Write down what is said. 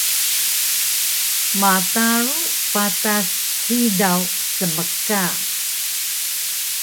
Mataru patas hidaw smka